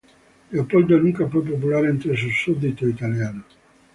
Leopoldo nunca fue popular entre sus súbditos italianos.